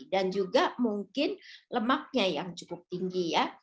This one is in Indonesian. dan juga mungkin lemaknya yang cukup tinggi ya